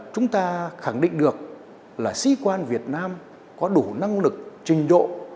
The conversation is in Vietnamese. chúng ta khẳng định được là sĩ quan việt nam có đủ năng lực trình độ